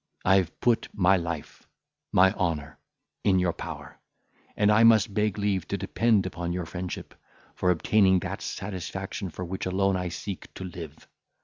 I have put my life, my honour, in your power; and I must beg leave to depend upon your friendship, for obtaining that satisfaction for which alone I seek to live.